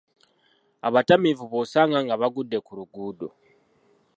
Abatamiivu b’osanga nga bagudde ku luguudo.